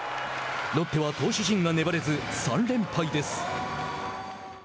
ロッテは投手陣が粘れず３連敗です。